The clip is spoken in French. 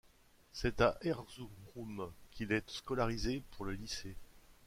C'est à Erzurum, qu'il est scolarisé pour le lycée.